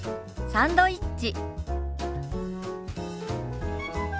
「サンドイッチ」。